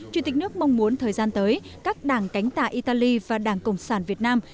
chủ tịch nước mong muốn thời gian tới các đảng cánh tả italy và đảng cộng sản việt nam